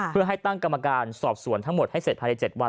เพื่อให้ตั้งกรรมการสอบสวนทั้งหมดให้เสร็จภายใน๗วัน